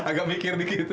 agak mikir dikit